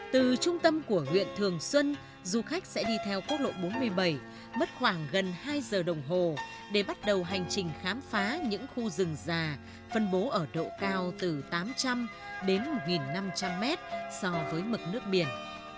từ trung tâm của huyện thường xuân du khách sẽ đi theo quốc lộ bốn mươi bảy mất khoảng gần hai giờ đồng hồ để bắt đầu hành trình khám phá những khu rừng già phân bố ở độ cao từ tám trăm linh đến một năm trăm linh mét so với mực nước biển